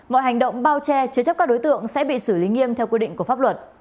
mọi hành động bao che chứa chấp các đối tượng sẽ bị xử lý nghiêm theo quy định của pháp luật